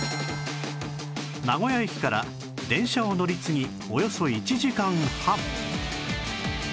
名古屋駅から電車を乗り継ぎおよそ１時間半